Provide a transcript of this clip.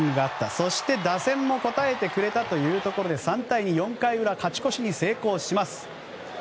そして打線も応えてくれたというところで３回裏に勝ち越しに成功します。